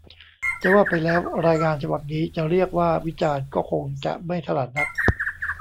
จะว่าไปแล้ว รายงานฉบับนี้จะเรียกว่า วิจารณ์ ก็คงจะไม่ถนัดนัก